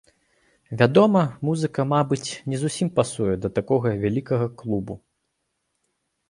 Вядома, музыка, мабыць, не зусім пасуе да такога вялікага клубу.